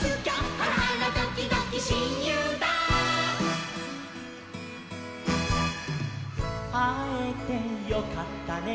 「ハラハラドキドキしんゆうだ」「あえてよかったね」